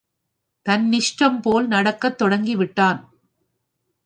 தன்னிஷ்டம் போல் நடக்கத் தொடங்கிவிட்டான்.